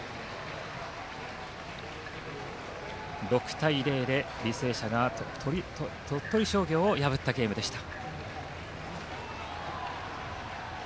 ６対０で履正社が鳥取商業を破ったゲームでした。